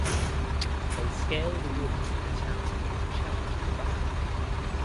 They scale the walls of the town and charge into battle.